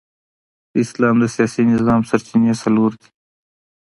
د اسلام د سیاسي نظام سرچینې څلور دي.